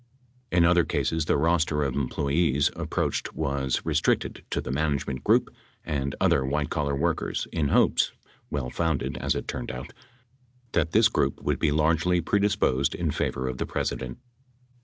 In other cases the roster of employees approached was restricted to the management group and other white collar workers, in hopes (well founded, as it turned out) , that this group would be largely predisposed in favor of the President.